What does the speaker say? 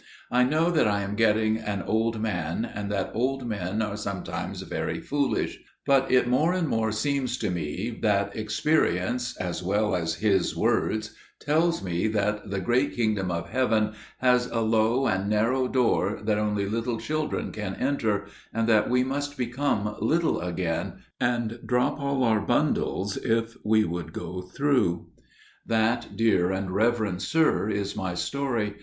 I know that I am getting an old man, and that old men are sometimes very foolish; but it more and more seems to me that experience, as well as His words, tells me that the great Kingdom of Heaven has a low and narrow door that only little children can enter, and that we must become little again, and drop all our bundles, if we would go through. "That, dear and Reverend Sir, is my story.